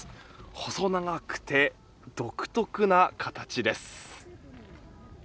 細長くて独特な形です。